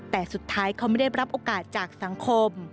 แต่สุดท้ายเขาไม่ได้รับโอกาสจากสังคม